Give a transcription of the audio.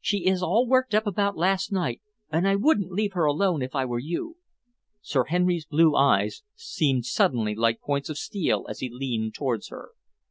She is all worked up about last night, and I wouldn't leave her alone if I were you." Sir Henry's blue eyes seemed suddenly like points of steel as he leaned towards her.